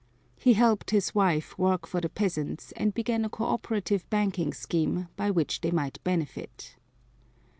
He helped his wife work for the peasants and began a cooperative banking scheme by which they might benefit.